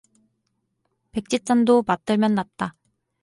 백지장도 맞들면 낫다